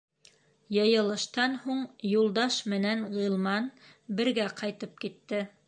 Йыйылыштан һуң Юлдаш менән Ғилман бергә ҡайтып китте.